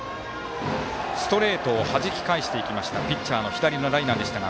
ストレートをはじき返していきましたピッチャーの左のライナーでしたが。